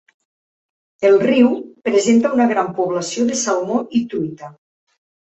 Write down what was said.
El riu presenta una gran població de salmó i truita.